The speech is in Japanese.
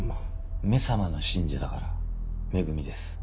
「め様」の信者だから「め組」です。